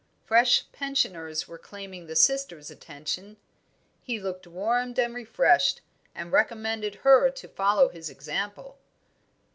Fresh pensioners were claiming the sisters' attention. He looked warmed and refreshed, and recommended her to follow his example.